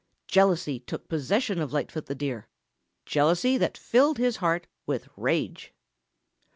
Jealousy took possession of Lightfoot the Deer; jealousy that filled his heart with rage.